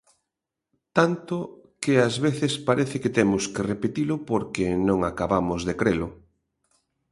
Tanto, que ás veces parece que temos que repetilo porque non acabamos de crelo.